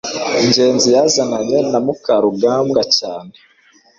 ngenzi yazananye na mukarugambwa cyane